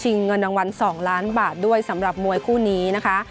เงินรางวัล๒ล้านบาทด้วยสำหรับมวยคู่นี้นะคะ